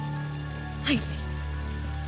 はい！